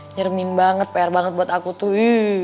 nyeremin banget pr banget buat aku tuh